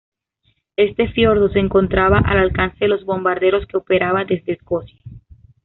Este fiordo se encontraba al alcance de los bombarderos que operaban desde Escocia.